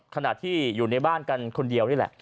ขณะที่อยู่ในบ้านกันคนเดียวนี่แหละ